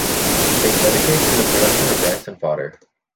They dedicate to the production of rice and fodder.